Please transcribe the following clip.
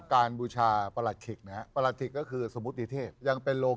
คิกคิกคิกคิกคิกคิกคิกคิกคิกคิกคิกคิกคิกคิก